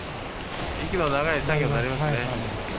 息の長い作業になりますね。